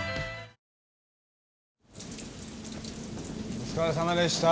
お疲れさまでした。